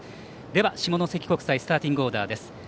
では、下関国際のスターティングオーダーです。